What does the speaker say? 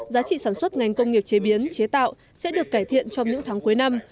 giá trị sản xuất ngành công nghiệp chế biến chế tạo sẽ được cải thiện trong những tháng cuối năm